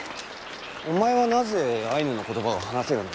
お前はなぜアイヌの言葉が話せるのだ？